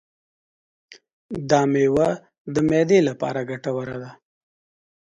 دا مېوه د معدې لپاره ګټوره ده.